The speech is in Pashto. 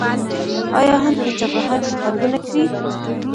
آیا هند په چابهار کې پانګونه کړې؟